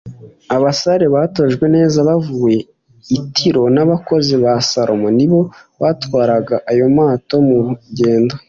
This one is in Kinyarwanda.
abasare batojwe neza bavuye i tiro n'abakozi ba salomo ni bo batwaraga ayo mato mu rugendo